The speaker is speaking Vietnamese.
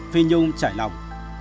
phi nhung chảy lòng